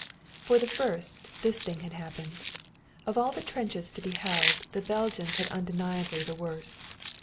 For the first, this thing had happened. Of all the trenches to be held, the Belgians had undeniably the worst.